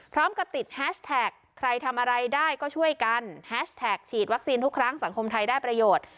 พร้อมกับติดแฮชแท็กใครทำอะไรได้ก็ช่วยกันแฮชแท็กฉีดวัคซีนทุกครั้งสังคมไทยได้ประโยชน์